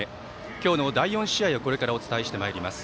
今日の第４試合をこれからお伝えしてまいります。